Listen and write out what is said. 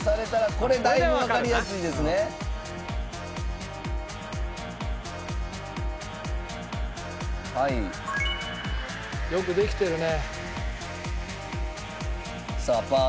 「おおよくできてるね」